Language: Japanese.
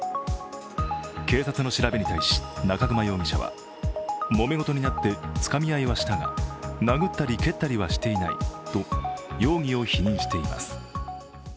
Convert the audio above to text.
警察の調べに対し中熊容疑者は、もめごとになってつかみ合いはしたが、殴ったり蹴ったりはしていないと容疑を否認しています。